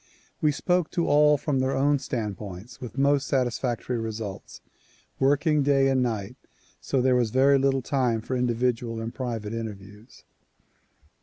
We spoke to all from their own standpoints with most satisfactory results ; working day and night, so there was very little time for individual and private interviews.